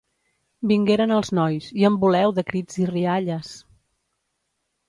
Vingueren els nois, i en voleu, de crits i rialles!